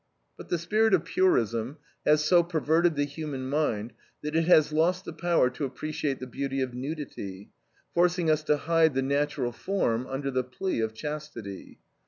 " But the spirit of purism has so perverted the human mind that it has lost the power to appreciate the beauty of nudity, forcing us to hide the natural form under the plea of chastity.